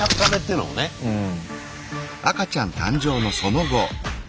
うん。